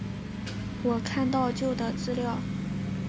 我看到旧的资料